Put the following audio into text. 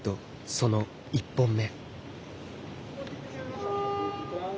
その１本目。